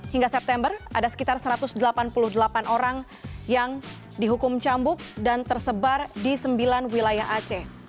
hingga september ada sekitar satu ratus delapan puluh delapan orang yang dihukum cambuk dan tersebar di sembilan wilayah aceh